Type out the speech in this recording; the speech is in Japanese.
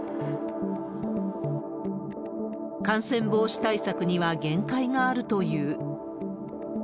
感染防止対策には限界があるという。